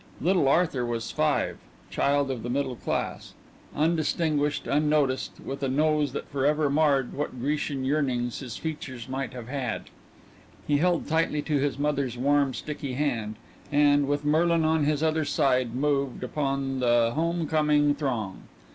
Little Arthur was five, child of the middle class. Undistinguished, unnoticed, with a nose that forever marred what Grecian yearnings his features might have had, he held tightly to his mother's warm, sticky hand, and, with Merlin on his other side, moved upon the home coming throng.